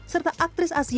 serta aktris asia